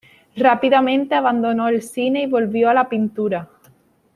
Rápidamente abandonó el cine y volvió a la pintura.